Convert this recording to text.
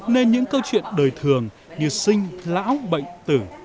nên những câu chuyện đời thường như sinh lão bệnh tử